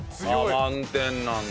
満点なんだ。